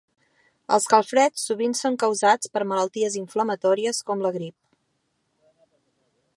Els calfreds sovint són causats per malalties inflamatòries com la grip.